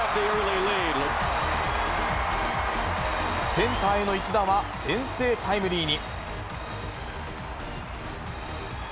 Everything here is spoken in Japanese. センターへの一打は先制タイムリーに。